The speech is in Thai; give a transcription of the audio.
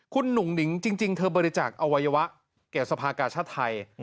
คุณหนุ่งนิ๋งจริงเธอบริจาคอวัยวะเกี่ยวสภากาชทัย